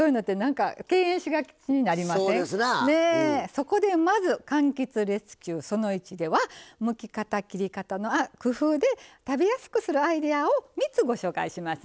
そこでまず「かんきつレスキュー」その１ではむき方切り方の工夫で食べやすくするアイデアを３つご紹介しますね。